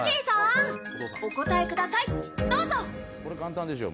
これ簡単でしょう。